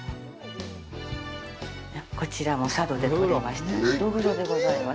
こちらも佐渡で取れましたのどぐろでございます。